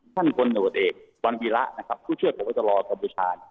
ท่านคนอดเอกวันปีละนะครับผู้เชื่อตกว่าจะรอกับปุชา